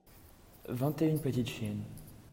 vingt et une petites chiennes.